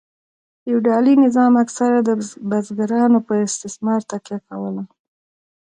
فیوډالي نظام اکثره د بزګرانو په استثمار تکیه کوله.